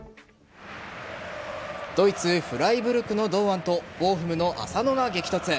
ドイツ・フライブルクの堂安とボーフムの浅野が激突。